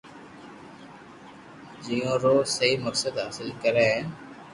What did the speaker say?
جيون رو سھي مقصد حاصل ڪري ھين